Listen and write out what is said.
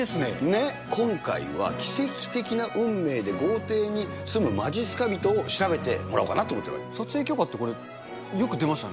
ね、今回は奇跡的な運命で豪邸に住むまじっすか人を調べてもらおうか撮影許可って、よく出ました